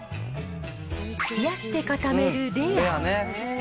冷やして固めるレア。